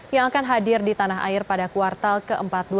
yang akan hadir di tanah air pada kuartal ke empat dua ribu dua puluh tiga